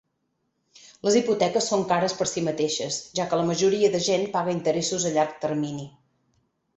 Les hipoteques són cares per si mateixes, ja que la majoria de gent paga interessos a llarg termini.